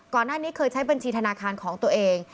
ก่อนหน้านี้เคยใช้บัญชีธนาคารของตัวเอง